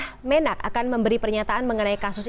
ditanya apakah menak akan memberi pernyataan mengenai penyegelan ini